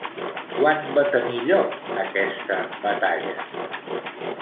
Quan va tenir lloc aquesta batalla?